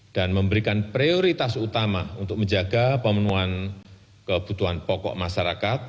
dan memberikan prioritas utama untuk menjaga pemenuhan kebutuhan pokok masyarakat